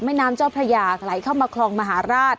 แม่น้ำเจ้าพระยาไหลเข้ามาคลองมหาราช